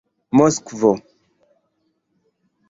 moskvo